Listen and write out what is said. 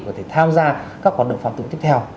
có thể tham gia các hoạt động phạm tội tiếp theo